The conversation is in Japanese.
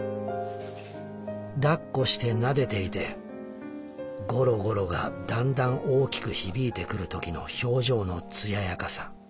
抱っこして撫でていてゴロゴロがだんだん大きく響いてくる時の表情の艶やかさ」。